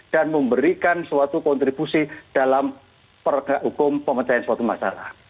dan memberikan suatu kontribusi dalam pergak hukum pemencahan suatu masalah